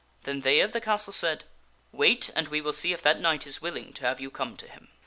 Then they of the castle said, " Wait and we will see if that knight is willing to have you come to him."